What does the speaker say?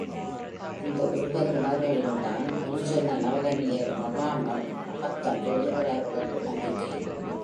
இந்த ஒன்பது கிணறுகளின் தான், முன் சொன்ன நவகன்னியர் மகாமகத்தன்று எழுகிறார்கள் என்ற நம்பிக்கை.